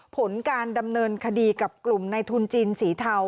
ผลการดำเนินคดีกับกลุ่มในทุนจีนสีเทา